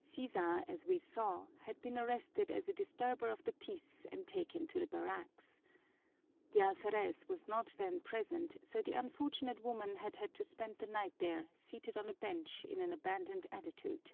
Sisa, as we saw, had been arrested as a disturber of the peace and taken to the barracks. The alferez was not then present, so the unfortunate woman had had to spend the night there seated on a bench in an abandoned attitude.